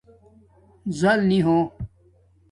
زَل نی ہو